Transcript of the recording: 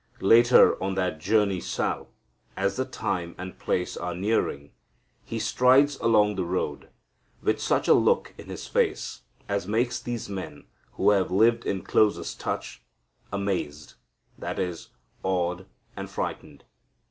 Later, on that journey south, as the time and place are nearing, He strides along the road, with such a look in His face as makes these men, who had lived in closest touch, "amazed," that is, awed and frightened.